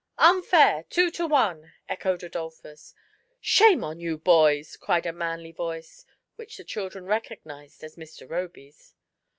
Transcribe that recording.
. "Unfair! two to one!" echoed Adolphus, "Shame on you, boys!" cried a manly voice, which the children recognized aa Mr. Eoby's.